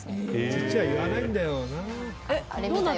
父は言わないんだよな。